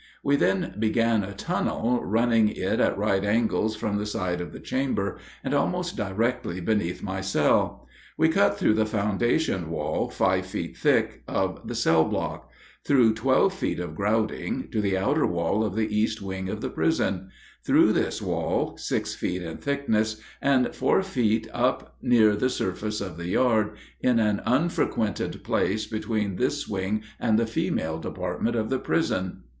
We then began a tunnel, running it at right angles from the side of the chamber, and almost directly beneath my cell. We cut through the foundation wall, five feet thick, of the cell block; through twelve feet of grouting, to the outer wall of the east wing of the prison; through this wall, six feet in thickness; and four feet up near the surface of the yard, in an unfrequented place between this wing and the female department of the prison. [Illustration: EXTERIOR OF THE PRISON. B EXIT FROM TUNNEL.